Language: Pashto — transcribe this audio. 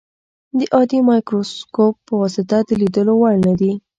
د عادي مایکروسکوپ په واسطه د لیدلو وړ نه دي.